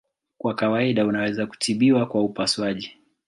Kwa kawaida unaweza kutibiwa kwa upasuaji.